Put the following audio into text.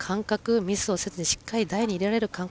ミスをせずにしっかり台に入れられる感覚